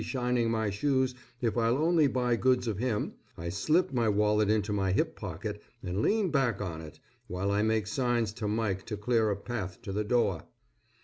shining my shoes if I'll only buy goods of him, I slip my wallet into my hip pocket and lean back on it, while I make signs to Mike to clear a path to the door.